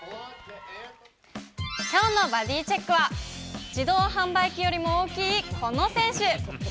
きょうのバディチェックは、自動販売機よりも大きいこの選手。